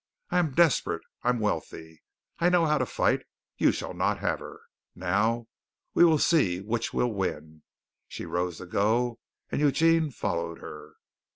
I am desperate! I am wealthy. I know how to fight. You shall not have her. Now we will see which will win." She rose to go and Eugene followed her.